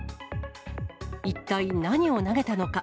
一体何を投げたのか。